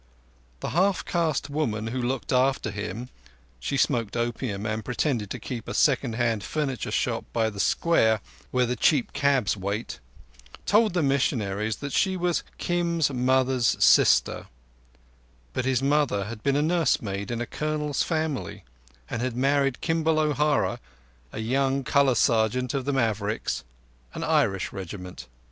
The half caste woman who looked after him (she smoked opium, and pretended to keep a second hand furniture shop by the square where the cheap cabs wait) told the missionaries that she was Kim's mother's sister; but his mother had been nursemaid in a Colonel's family and had married Kimball O'Hara, a young colour sergeant of the Mavericks, an Irish regiment.